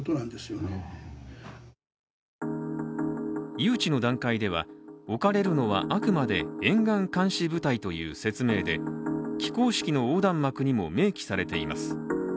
誘致の段階では、置かれるのはあくまで沿岸監視部隊という説明で、起工式の横断幕にも明記されています。